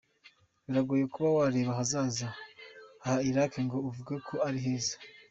Biragoye kuba wareba ahazaza ha Iraq ngo uvuge ko ari heza.